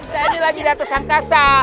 tadi lagi di atas angkasa